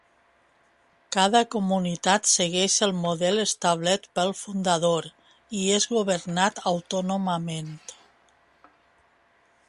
Cada comunitat segueix el model establert pel fundador i és governat autònomament.